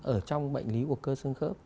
ở trong bệnh lý của cơ xương khớp